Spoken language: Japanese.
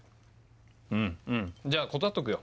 うんうんじゃあ断っとくよ。